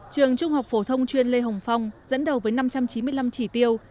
trường trung học phổ thông chuyên lê hồng phong dẫn đầu với năm trăm chín mươi năm chỉ tiêu